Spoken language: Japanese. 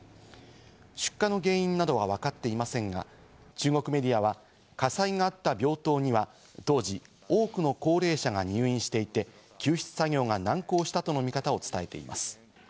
出火の原因などは分かっていませんが、中国メディアは火災があった病棟には当時、多くの高齢者が入院していて、救出作業が難航したとの見方を伝えています。